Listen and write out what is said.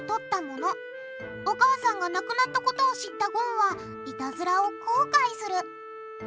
お母さんが亡くなったことを知ったごんはイタズラを後悔する。